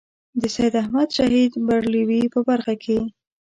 د سید احمد شهید برېلوي په برخه کې.